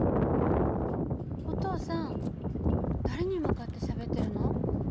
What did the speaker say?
お父さん誰に向かってしゃべってるの？